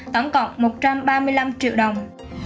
tổng cộng một trăm ba mươi năm triệu đồng